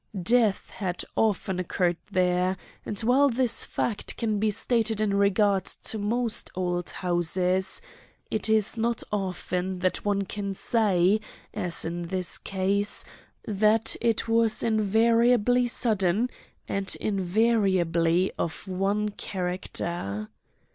Death had often occurred there, and while this fact can be stated in regard to most old houses, it is not often that one can say, as in this case, that it was invariably sudden and invariably of one character.